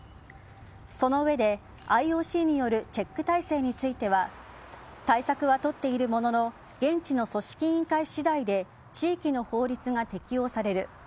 その上でＩＯＣによるチェック体制については対策は取っているものの現地の組織委員会次第で地域の法律が適用される。